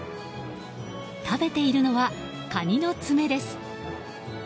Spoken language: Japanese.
食べているのはカニの爪です。